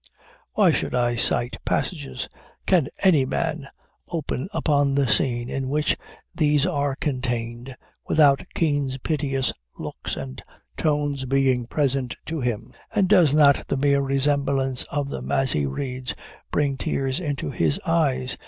Why should I cite passages? Can any man open upon the scene in which these are contained, without Kean's piteous looks and tones being present to him? And does not the mere remembrance of them, as he reads, bring tears into his eyes?